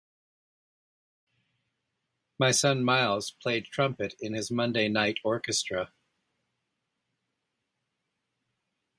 His son Miles played trumpet in his "Monday Night Orchestra".